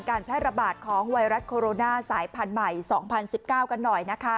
การแพร่ระบาดของไวรัสโคโรนาสายพันธุ์ใหม่๒๐๑๙กันหน่อยนะคะ